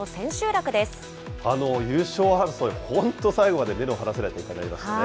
優勝争い、本当、最後まで目の離せない状況でしたね。